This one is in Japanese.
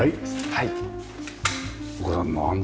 はい。